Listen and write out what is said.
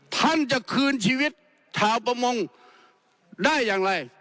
ท่านจะคืนชีวิตชาวประมงได้อย่างไร